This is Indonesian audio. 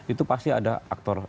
itu pasti ada aktor